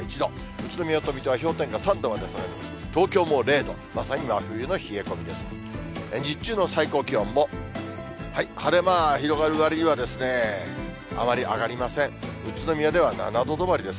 宇都宮と水戸は氷点下３度まで下がります。